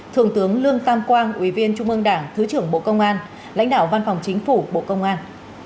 thượng tướng lương tam quang ủy viên trung ương đảng thứ trưởng bộ công an lãnh đạo văn phòng chính phủ bộ công an